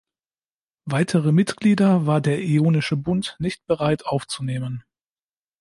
Weitere Mitglieder war der Ionische Bund nicht bereit aufzunehmen.